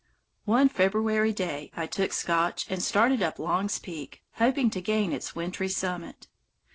One February day I took Scotch and started up Long's Peak, hoping to gain its wintry summit.